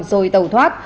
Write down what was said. rồi tàu thoát